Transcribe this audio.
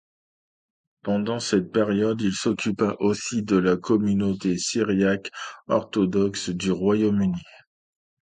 Pendant cette période, il s'occupa aussi de la communauté syriaque orthodoxe du Royaume-Uni.